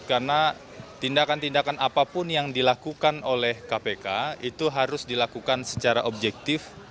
karena tindakan tindakan apapun yang dilakukan oleh kpk itu harus dilakukan secara objektif